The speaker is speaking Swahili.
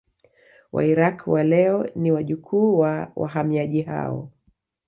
Wairaqw wa leo ni wajukuu wa wahamiaji hao